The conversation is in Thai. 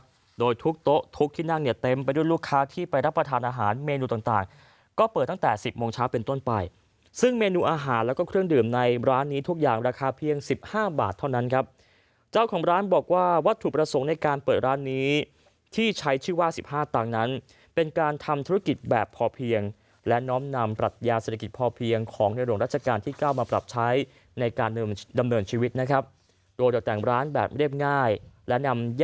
คือคลักทีเดียวครับโดยทุกโต๊ะทุกที่นั่งเนี่ยเต็มไปด้วยลูกค้าที่ไปรับประทานอาหารเมนูต่างต่างก็เปิดตั้งแต่สิบโมงเช้าเป็นต้นไปซึ่งเมนูอาหารแล้วก็เครื่องดื่มในร้านนี้ทุกอย่างราคาเพียงสิบห้าบาทเท่านั้นครับเจ้าของร้านบอกว่าวัตถุประสงค์ในการเปิดร้านนี้ที่ใช้ชื่อว่าสิบห้าต่างนั้